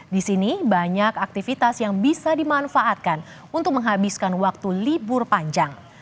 di sini banyak aktivitas yang bisa dimanfaatkan untuk menghabiskan waktu libur panjang